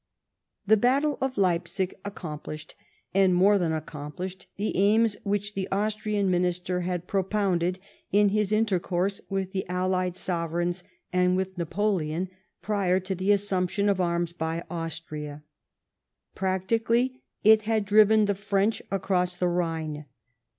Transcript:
The battle of Leipsig accomplished, and more than accoro])lished, the aims which the Austrian Minister had propounded in his intercourse with the allied sovereigns and with Napoleon prior to the assumption of arms by xVustria. Practically, it had driven the French across the Rhine.